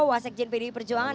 wasek jnpdi perjuangan